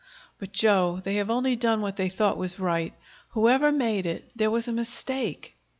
"But, Joe, they have only done what they thought was right. Whoever made it, there was a mistake."